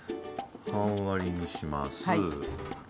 半割りにします。